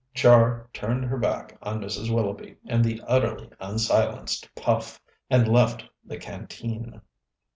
Char turned her back on Mrs. Willoughby and the utterly unsilenced Puff, and left the Canteen.